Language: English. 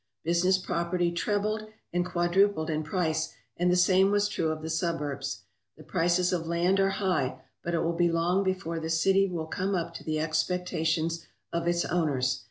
Business property trebled and quadrupled in price, and the same was true of the suburbs. The prices of land are high, but it will be long before the city will come up to the expectations of its owners.